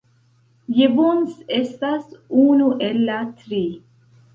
Jevons estas unu el la tri.